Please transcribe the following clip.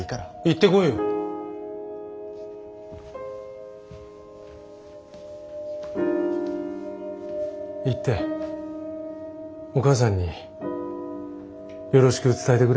行ってお母さんによろしく伝えてくれ。